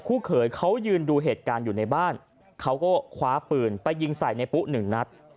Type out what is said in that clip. เขยเขายืนดูเหตุการณ์อยู่ในบ้านเขาก็คว้าปืนไปยิงใส่ในปุ๊หนึ่งนัด